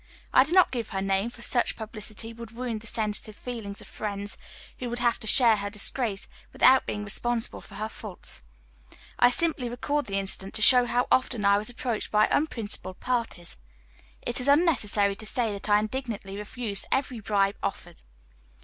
I do not give her name, for such publicity would wound the sensitive feelings of friends, who would have to share her disgrace, without being responsible for her faults. I simply record the incident to show how I often was approached by unprincipled parties. It is unnecessary to say that I indignantly refused every bribe offered.